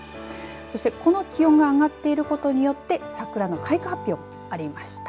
そしてこの気温が上がっていることによって桜の開花発表ありました。